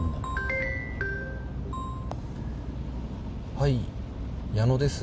はい矢野です。